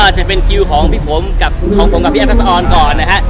จะเดินทางมาทั้งทุกประเทศนี่แน่นอนครับ